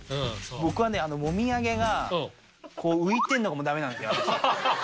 僕はね、もみあげが浮いてるのが、もうだめなんですよ。